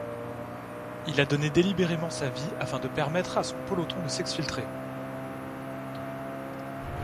Il a donné délibérément sa vie afin de permettre à son peloton de s'exfiltrer.